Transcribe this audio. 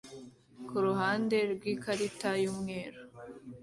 kuruhande rwikarita yumweru